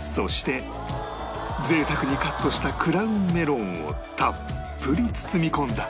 そして贅沢にカットしたクラウンメロンをたっぷり包み込んだ